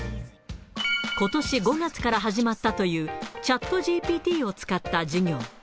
ことし５月から始まったという、チャットＧＰＴを使った授業。